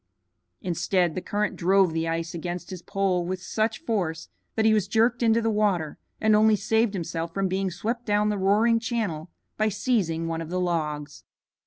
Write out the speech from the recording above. Instead the current drove the ice against his pole with such force that he was jerked into the water and only saved himself from being swept down the roaring channel by seizing one of the logs.